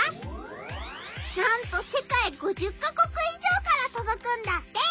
なんと世界５０か国以上からとどくんだって！